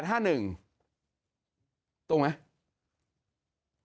ตรงไหม